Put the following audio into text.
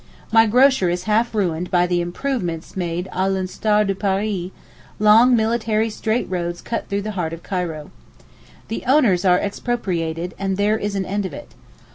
My grocer is half ruined by the 'improvements' made a l'instar de Paris—long military straight roads cut through the heart of Cairo. The owners are expropriated, and there is an end of it.